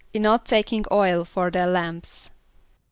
=In not taking oil for their lamps.